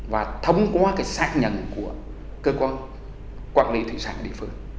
và thống quá cái xác nhận của cơ quan quản lý thủy sản địa phương